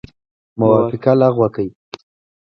موافقه لغو کړي.